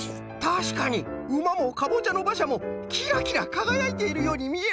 たしかにうまもかぼちゃのばしゃもキラキラかがやいているようにみえるぞい！